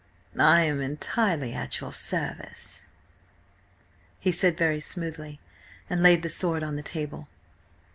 "I am entirely at your service," he said very smoothly, and laid the sword on the table.